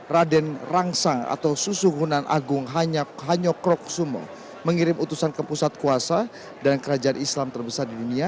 raden rangsang atau susu hunan agung hanyok krok sumo mengirim utusan ke pusat kuasa dan kerajaan islam terbesar di dunia